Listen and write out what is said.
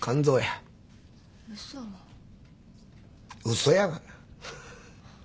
嘘やがな。